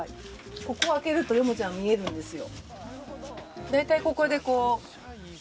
ここを開けるとヨモちゃんが見えるんですよ。